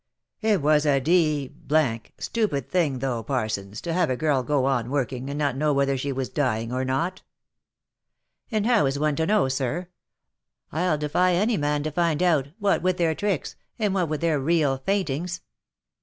" It was a d — d stupid thing though, Parsons, to have a girl go on working, and not know whether she was dying or not." '* And how is one to know, sir ? I'll defy any man to find out, what with their tricks, and what with their real faintings."